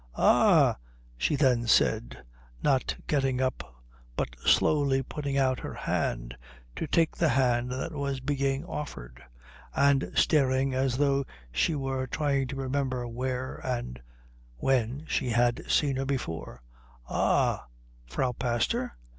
"Ah," she then said, not getting up but slowly putting out her hand to take the hand that was being offered, and staring as though she were trying to remember where and when she had seen her before, "Ah Frau Pastor?